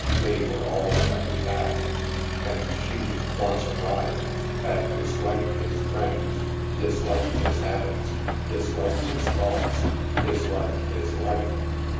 They were all that he had. And she, once arrived, had disliked his friends, disliked his habits, disliked his thoughts, disliked his life.